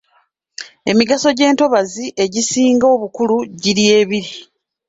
Emigaso gy’entobazi egisinga obukulu giri ebiri.